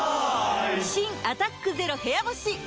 新「アタックＺＥＲＯ部屋干し」解禁‼